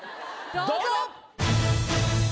どうぞ！